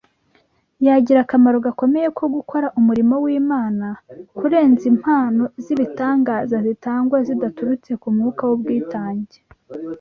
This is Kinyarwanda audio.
yagira akamaro gakomeye ko gukora umurimo w’Imana kurenza impano z’ibitangaza zitangwa zidaturutse ku mwuka w’ubwitange.